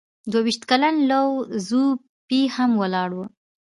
دوه ویشت کلن لو ځو پي هم ولاړ و.